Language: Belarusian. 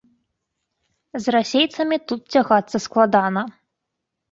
З расейцамі тут цягацца складана.